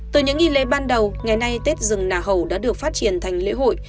từ những nghi lễ ban đầu ngày nay tết rừng nà hầu đã được phát triển thành lễ hội